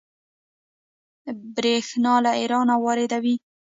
بریښنا له ایران واردوي